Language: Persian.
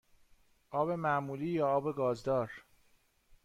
آب معمولی یا آب گازدار؟